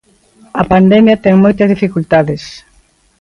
A pandemia ten moitas dificultades.